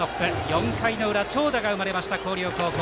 ４回の裏、長打が生まれた広陵高校。